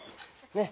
ねっ。